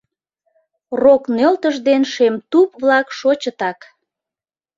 Рокнӧлтыш ден шемтуп-влак шочытак.